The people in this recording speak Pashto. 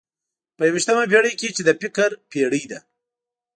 په یوویشتمه پېړۍ کې چې د فکر پېړۍ ده.